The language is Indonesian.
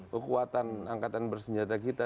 kekuatan angkatan bersenjata kita